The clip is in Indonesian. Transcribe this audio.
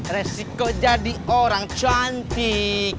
resiko jadi orang cantik